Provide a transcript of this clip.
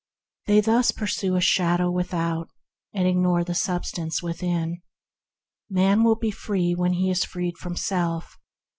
They thus pursue a shadow without, and ignore the substance within. Man will be free when he is freed from self.